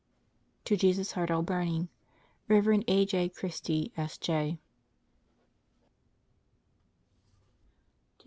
To Jesus' Heart All Burning (REV. A. J. CHRISTIE, S.J.)